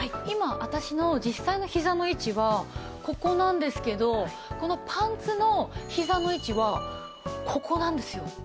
今私の実際のひざの位置はここなんですけどこのパンツのひざの位置はここなんですよ。